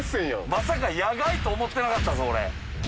まさか野外と思ってなかった俺。